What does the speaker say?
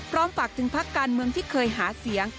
พร้อมฝากถึงพักการเมืองที่เคยหาเสียง